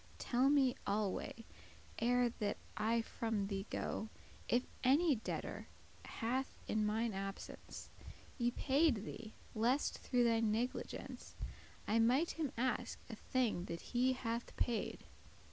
Tell me alway, ere that I from thee go, If any debtor hath in mine absence Y payed thee, lest through thy negligence I might him ask a thing that he hath paid."